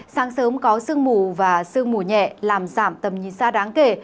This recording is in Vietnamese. sáng sớm có sương mù và sương mù nhẹ làm giảm tầm nhìn xa đáng kể